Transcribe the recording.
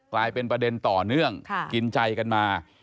กลายเป็นประเด็นต่อเนื่องกินใจกันมา